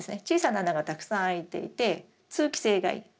小さな穴がたくさん開いていて通気性がいい。